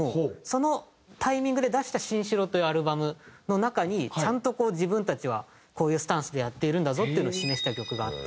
そのタイミングで出した『シンシロ』というアルバムの中にちゃんと自分たちはこういうスタンスでやっているんだぞっていうのを示した曲があって。